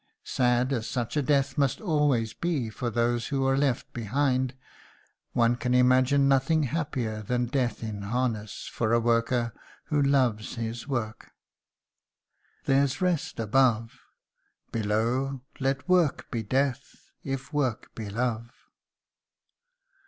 Sad as such a death must always be for those who are left behind, one can imagine nothing happier than "death in harness" for a worker who loves his work. ".... There's rest above. Below let work be death, if work be love!"